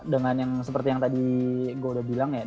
dengan yang seperti yang tadi gue udah bilang ya